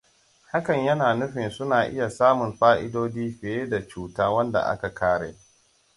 Hakan yana nufin suna iya samun fa'idodi fiye da cuta wanda aka kare.